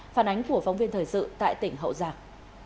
phản ánh của phóng viên thời sự tại tỉnh hậu giang